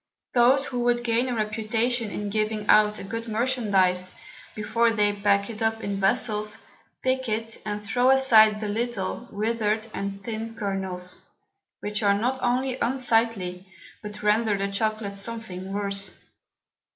Those who would gain a Reputation in giving out a good Merchandize, before they pack it up in Vessels, pick it, and throw aside the little, wither'd, and thin Kernels, which are not only unsightly, but render the Chocolate something worse.